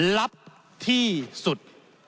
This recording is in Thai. ลับที่สุด